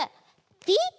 ピッ！